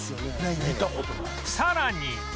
さらに